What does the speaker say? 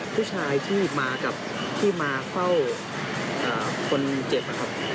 ผู้ชายที่มากับที่มาเฝ้าคนเจ็บนะครับ